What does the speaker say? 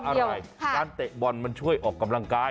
อะไรการเตะบอลมันช่วยออกกำลังกาย